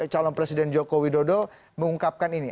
calon presiden jokowi dodo mengungkapkan ini